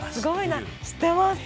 知ってます。